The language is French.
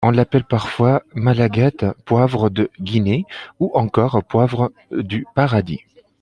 On l'appelle parfois malaguette, poivre de Guinée ou encore poivre du paradis.